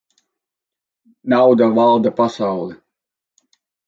Nauda valda pasauli.